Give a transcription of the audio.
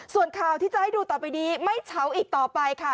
ส่วนข่าวที่จะให้ดูต่อไปนี้ไม่เฉาอีกต่อไปค่ะ